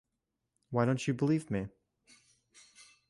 Why Don't You Believe Me?